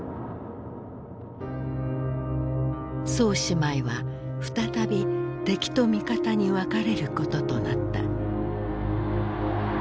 宋姉妹は再び敵と味方に分かれることとなった。